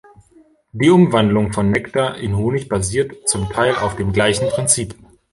Die Umwandlung von Nektar in Honig basiert zum Teil auf dem gleichen Prinzip.